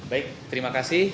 baik terima kasih